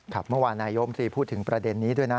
เมื่อวานนายมตรีพูดถึงประเด็นนี้ด้วยนะ